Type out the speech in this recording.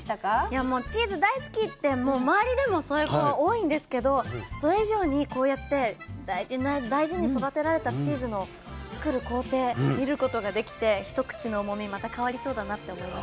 チーズ大好きって周りでもそういう子が多いんですけどそれ以上にこうやって大事に大事に育てられたチーズの作る工程見ることができて一口の重みまた変わりそうだなって思いました。